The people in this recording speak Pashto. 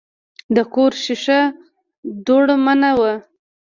د کور شیشه دوړمنه وه.